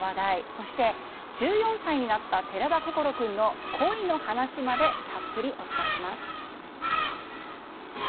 そして１４歳になった寺田心君の恋の話までたっぷりお伝えします。